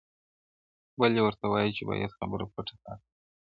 o بل يې ورته وايي چي بايد خبره پټه پاته سي,